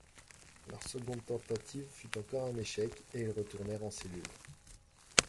Leur seconde tentative fut encore un échec, et ils retournèrent en cellule.